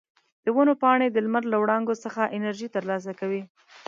د ونو پاڼې د لمر له وړانګو څخه انرژي ترلاسه کوي.